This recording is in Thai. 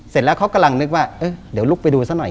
เสร็จแล้วเขากำลังนึกว่าเดี๋ยวลุกไปดูซะหน่อย